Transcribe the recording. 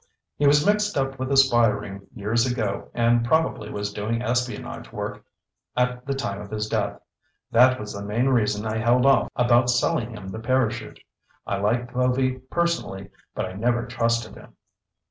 "He was mixed up with a spy ring years ago and probably was doing espionage work at the time of his death. That was the main reason I held off about selling him the parachute. I liked Povy personally but I never trusted him."